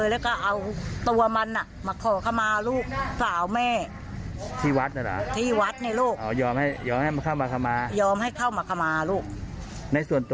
ยอมให้เข้ามาขมาลูกในส่วนตัวรู้จักกับเขาไหม